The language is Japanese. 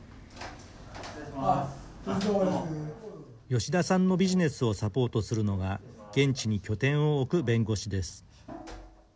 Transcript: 吉田さんのビジネスをサポートするのが現地に拠点を置く弁護士です。